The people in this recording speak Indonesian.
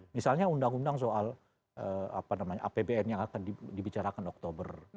misalnya undang undang soal apbn yang akan dibicarakan oktober